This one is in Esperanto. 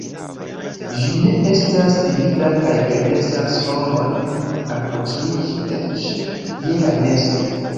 Ĝi ne estas timida kaj permesas homojn alproksimiĝi eĉ je la nesto.